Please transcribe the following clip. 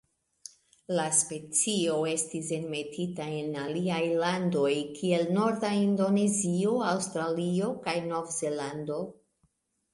La specio estis enmetita en aliaj landoj kiel norda Indonezio, Aŭstralio kaj Novzelando.